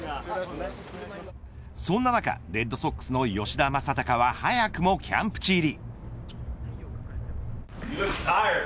そんな中レッドソックスの吉田正尚は早くもキャンプ地入り。